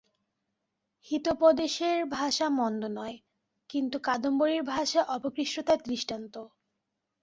হিতোপদেশের ভাষা মন্দ নয়, কিন্তু কাদম্বরীর ভাষা অপকৃষ্টতার দৃষ্টান্ত।